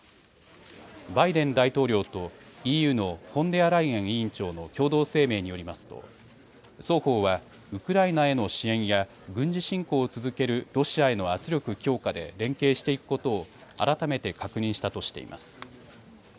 バイデン大統領とＥＵのフォンデアライエン委員長の共同声明によりますと双方はウクライナへの支援や軍事侵攻を続けるロシアへの圧力強化で連携していくことを改めて確認したとしています。